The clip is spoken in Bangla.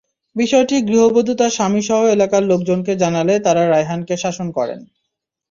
বিষয়টি গৃহবধূ তাঁর স্বামীসহ এলাকার লোকজনকে জানালে তাঁরা রায়হানকে শাসন করেন।